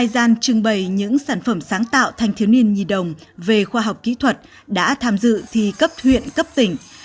hai mươi hai gian trưng bày những sản phẩm sáng tạo thành thiếu niên nhì đồng về khoa học kỹ thuật đã tham dự thi cấp thuyện cấp tỉnh